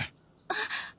あっ！？